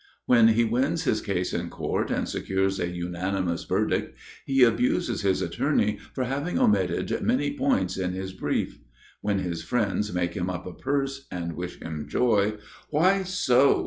When he wins his case in court and secures a unanimous verdict, he abuses his attorney for having omitted many points in his brief. When his friends make him up a purse, and wish him joy, "Why so?"